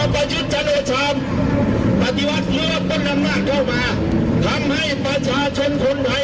ภาคภูมิภาคภูมิภาคภูมิ